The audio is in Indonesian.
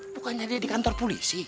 bukannya dia di kantor polisi